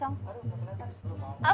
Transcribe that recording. aduh gak keliatan